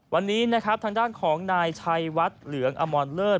วันนี้นะครับทางด้านของนายชัยวัดเหลืองอมรเลิศ